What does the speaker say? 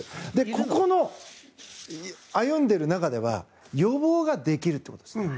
ここの、歩んでいる中では予防ができるということです。